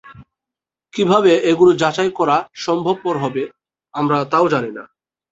কীভাবে এগুলো যাচাই করা সম্ভবপর হবে, আমরা তাও জানি না।